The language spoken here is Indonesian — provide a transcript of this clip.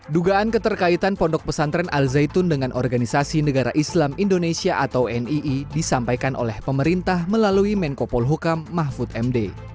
dugaan keterkaitan pondok pesantren al zaitun dengan organisasi negara islam indonesia atau nii disampaikan oleh pemerintah melalui menko polhukam mahfud md